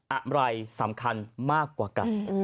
อะไรสำคัญมากกว่ากัน